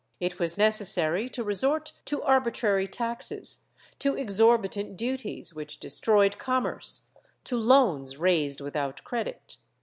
It was necessary to resort to arbitrary taxes, to exorbitant duties which destroyed commerce, to loans raised without credit.